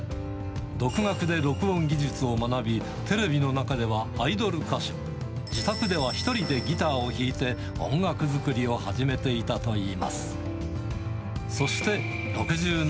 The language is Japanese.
独学で録音技術を学び、テレビの中ではアイドル歌手、自宅では１人でギターを弾いて、音楽作りを始めていたといいます。